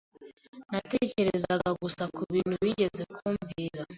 Natekerezaga gusa kubintu wigeze kumbwira.